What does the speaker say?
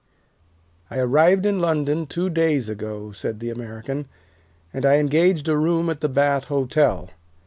'" "I arrived in London two days ago," said the American, "and I engaged a room at the Bath Hotel.